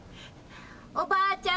おばあちゃん